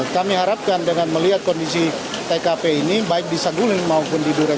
kami harapkan dengan melihat kondisi tkp ini baik di saguling maupun di duren